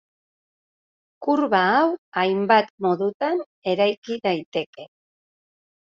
Kurba hau hainbat modutan eraiki daiteke.